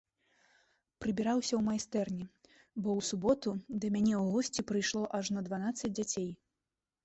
Прыбіраўся ў майстэрні, бо ў суботу да мяне ў госці прыйшло ажно дванаццаць дзяцей.